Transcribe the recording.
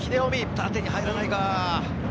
縦に入らないか。